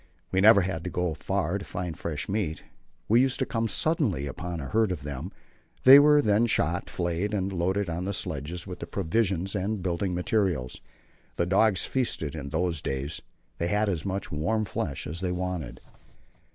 We never had to go far to find fresh meat. We used to come suddenly upon a herd of them; they were then shot, flayed, and loaded on the sledges with the provisions and building materials. The dogs feasted in those days they had as much warm flesh as they wanted.